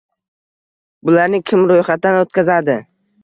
Bularni kim ro'yxatdan o'tkazadi